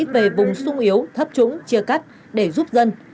về vùng sung yếu thấp trũng chia cắt để giúp dân